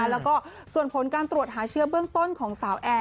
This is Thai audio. แล้วก็ส่วนผลการตรวจหาเชื้อเบื้องต้นของสาวแอร์